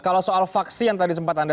kalau soal vaksi yang tadi sempat anda